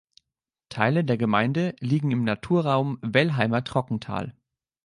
Teile der Gemeinde liegen im Naturraum Wellheimer Trockental.